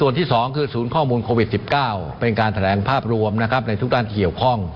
โรคข้อมูลจะแสดงอัศวิชาสูญข้อมูลเชิงเที่ยวข้อง